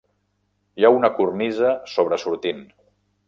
Hi ha una cornisa sobresortint.